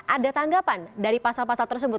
ada tanggapan dari pasal pasal tersebut